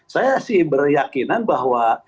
saya sih beryakinan bahwa